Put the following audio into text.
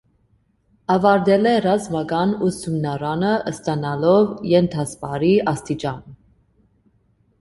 Ավարտել է ռազմական ուսումնարանը ստանալով ենթասպայի աստիճան։